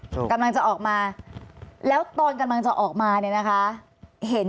กำลังจะออกมาแล้วตอนกำลังจะออกมาเนี่ยนะคะเห็น